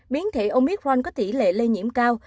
biến thể omicron có tỷ lệ lây nhiễm cao